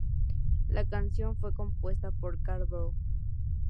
La canción fue compuesta por Carl Bell.